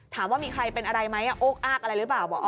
ถามว่ามีใครเป็นอะไรไหมโอ๊คอักอะไรหรือเปล่าบอก